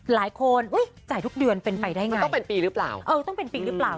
อุ้ยจ่ายทุกเดือนเป็นไปได้ไงต้องเป็นปีหรือเปล่าเออต้องเป็นปีหรือเปล่า